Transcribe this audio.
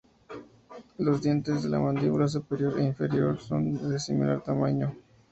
Los dientes de la mandíbula superior e inferior son de similar tamaño.